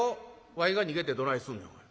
わいが逃げてどないすんねんおい。